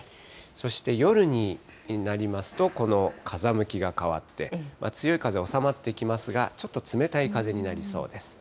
そして夜になりますと、この風向きが変わって、強い風収まってきますが、ちょっと冷たい風になりそうです。